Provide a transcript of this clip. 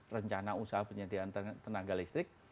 rencana usaha penyediaan tenaga listrik